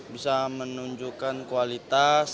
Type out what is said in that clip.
bisa menunjukkan kualitas